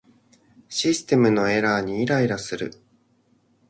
システムのエラーにイライラする